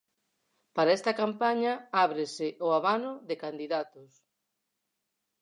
Para esta campaña ábrese o abano de candidatos.